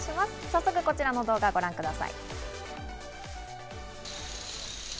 早速こちらの動画をご覧ください。